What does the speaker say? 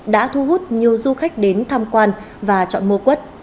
đã thu hút nhiều du khách đến tham quan và chọn mua quất